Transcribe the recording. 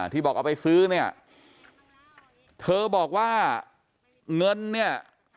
ที่บอกเอาไปซื้อเนี่ย